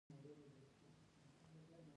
دا سنسر په ګدام کې دننه د حرارت بدلون ښيي.